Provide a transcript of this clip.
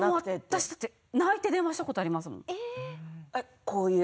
私が泣いて電話したことありますもん。